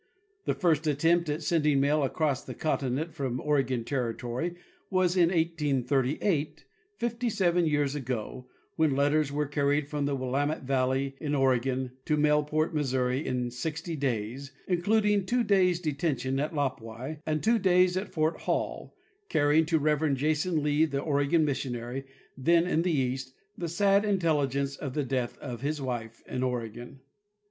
The first attempt at sending mail across the continent from Oregon territory was in 1838, fifty seven years ago, when letters were carried from the Willamette valley, in Oregon, to Medport, Missouri, in sixty days, including two days' detention at Lapwai and two days at Fort Hall, carrying to Reverend Jason Lee, the Oregon missionary then in the east, the sad intelligence of the death of his wife in Oregon.